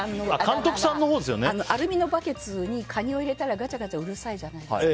アルミのバケツにカニを入れたらガチャガチャうるさいじゃないですか。